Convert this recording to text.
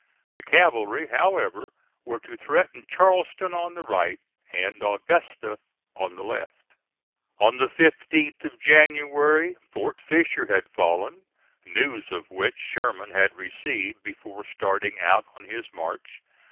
The cavalry, however, were to threaten Charleston on the right, and Augusta on the left. On the 15th of January Fort Fisher had fallen, news of which Sherman had received before starting out on his march.